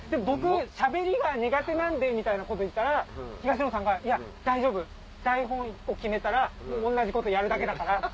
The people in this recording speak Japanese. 僕しゃべりは苦手なんでみたいなこと言ったら東野さんが「大丈夫台本１個決めたら同じことやるだけだから」